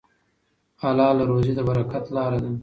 حلاله روزي د برکت لاره ده.